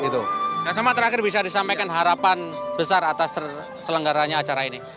dan sama terakhir bisa disampaikan harapan besar atas selenggaranya acara ini